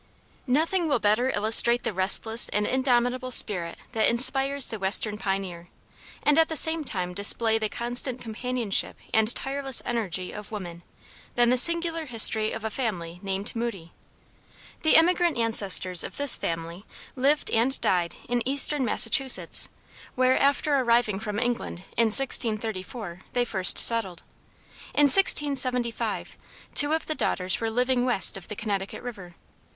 Nothing will better illustrate the restless and indomitable spirit that inspires the western pioneer, and at the same time display the constant companionship and tireless energy of woman, than the singular history of a family named Moody. The emigrant ancestors of this family lived and died in eastern Massachusetts, where after arriving from England, in 1634, they first settled. In 1675, two of the daughters were living west of the Connecticut river.